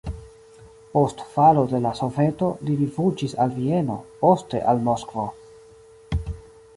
Post falo de la Soveto li rifuĝis al Vieno, poste al Moskvo.